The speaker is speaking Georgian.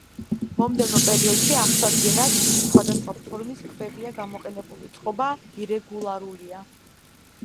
მომდევნო პერიოდში აღსადგენად სხვადასხვა ფორმის ქვებია გამოყენებული, წყობა ირეგულარულია.